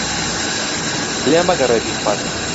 لێ مەگەڕێ بیخوات.